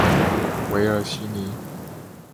韦尔西尼。